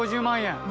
１５０万円。